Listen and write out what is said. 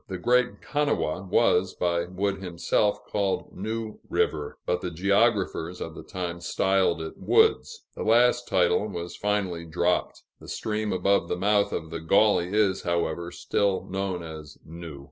The Great Kanawha was, by Wood himself, called New River, but the geographers of the time styled it Wood's. The last title was finally dropped; the stream above the mouth of the Gauley is, however, still known as New.